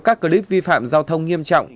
các clip vi phạm giao thông nghiêm trọng